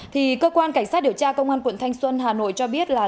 thì cơ quan cảnh sát điều tra công an quận thanh xuân hà nội cho biết là